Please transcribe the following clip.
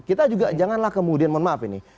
kita juga janganlah kemudian mohon maaf ini